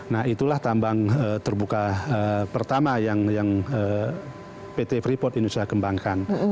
nah itulah tambang terbuka pertama yang pt freeport indonesia kembangkan